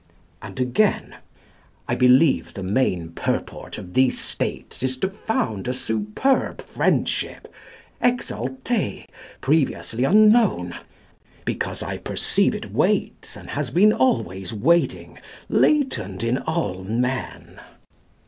And again: "I believe the main purport of these States is to found a superb friendship, exalté, previously unknown, Because I perceive it waits, and has been always waiting, latent in all men."